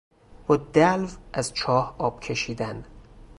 با دلو از چاه آب کشیدن